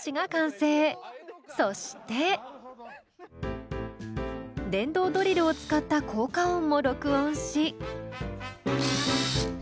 そして電動ドリルを使った効果音も録音し。